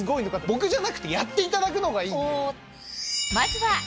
僕じゃなくてやっていただくのがいいんで。